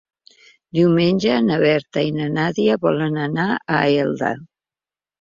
Diumenge na Berta i na Nàdia volen anar a Elda.